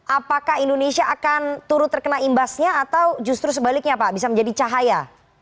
apakah indonesia akan turut terkena imbasnya atau justru sebaliknya pak bisa menjadi cahaya